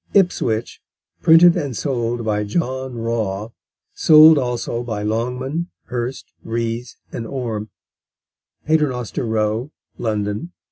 Ipswich: Printed and sold by John Raw; sold also by Longman, Hurst, Rees, and Orme, Paternoster Row, London.